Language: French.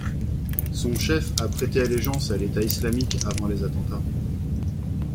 Son chef a prêté allégeance à l'État islamique avant les attentats.